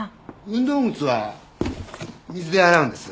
運動靴は水で洗うんです。